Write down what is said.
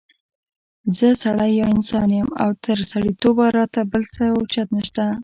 زه سړی یا انسان يم او تر سړیتوبه را ته بل څه اوچت نشته